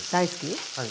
はい。